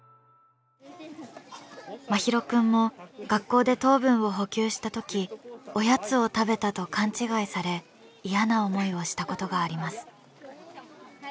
真浩くんも学校で糖分を補給したときおやつを食べたと勘違いされ嫌な思いをしたことがあります。